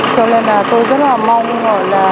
cho nên là tôi rất là mong